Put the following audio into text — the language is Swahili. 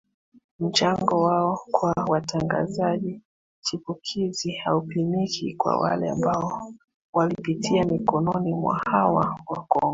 Mchango wao kwa watangazaji chipukizi haupimiki kwa wale ambao walipitia mikononi mwa hawa wakongwe